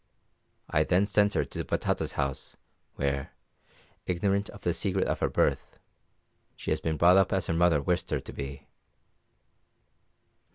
I then sent her to Batata's house, where, ignorant of the secret of her birth, she has been brought up as her mother wished her to be.